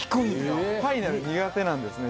ファイナル苦手なんですね。